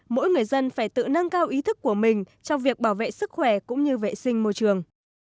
mỗi người dân phải tự nâng cao ý thức của mình trong việc bảo vệ sức khỏe cũng như vệ sinh môi trường